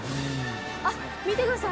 あっ見てください。